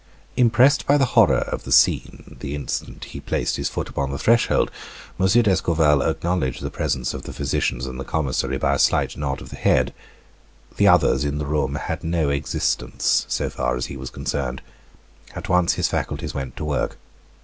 Impressed by the horror of the scene the instant he placed his foot upon the threshold, M. d'Escorval acknowledged the presence of the physicians and the commissary by a slight nod of the head. The others in the room had no existence so far as he was concerned. At once his faculties went to work.